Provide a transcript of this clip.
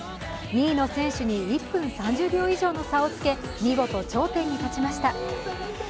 ２位の選手に１分３０秒以上の差をつけ見事、頂点に立ちました。